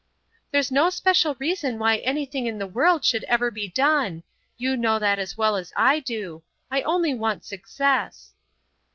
"There's no special reason why anything in the world should ever be done. You know that as well as I do. I only want success."